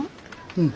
うん。